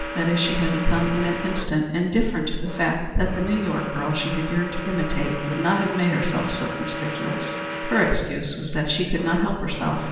That is, she had become in an instant indifferent to the fact that the New York girl she had yearned to imitate would not have made herself so conspicuous. Her excuse was that she could not help herself.